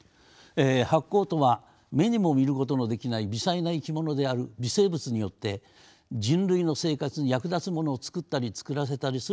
え発酵とは目にも見ることのできない微細な生き物である微生物によって人類の生活に役立つものをつくったりつくらせたりする生命現象をいいます。